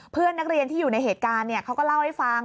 เพื่อนนักเรียนที่อยู่ในเหตุการณ์เขาก็เล่าให้ฟัง